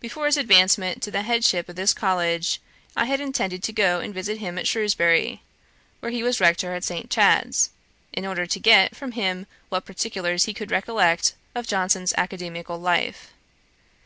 Before his advancement to the headship of his college, I had intended to go and visit him at Shrewsbury, where he was rector of St. Chad's, in order to get from him what particulars he could recollect of Johnson's academical life.